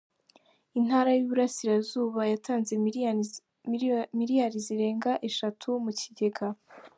Intara y’Iburasirazuba yatanze miliyari zirenga Eshatu mu kigega